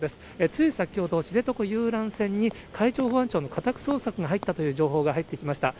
つい先ほど知床遊覧船に、海上保安庁の家宅捜索が入ったという情報が入ってきました。